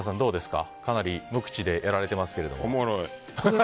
かなり無口でやられていますが。